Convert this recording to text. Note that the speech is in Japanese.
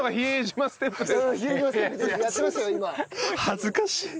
恥ずかしい。